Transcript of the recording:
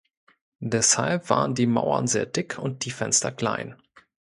Deshalb waren die Mauern sehr dick und die Fenster klein.